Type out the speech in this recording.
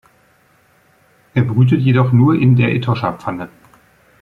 Er brütet jedoch nur in der Etosha-Pfanne.